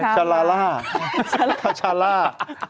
ชาลาล่า